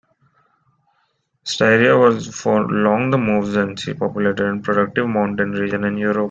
Styria was for long the most densely populated and productive mountain region in Europe.